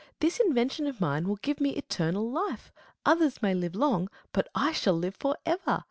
This invention of mine will give me eternal life. Others may live long, but I shall live for ever.